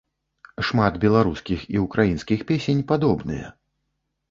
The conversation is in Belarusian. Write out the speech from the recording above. Шмат беларускіх і ўкраінскіх песень падобныя.